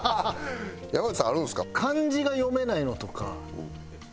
山内さんあるんですか？